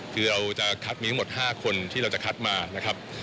คือเราจะคัดมีทั้งหมด๕คนที่เราจะคัดมานะครับ